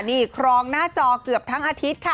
นี่ครองหน้าจอเกือบทั้งอาทิตย์ค่ะ